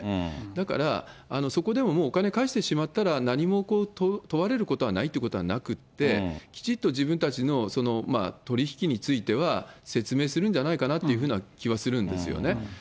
だから、そこでもうお金返してしまったら、何も問われることはないということはなくって、きちっと自分たちの取り引きについては、説明するんじゃないかなというふうな気はするんですよね。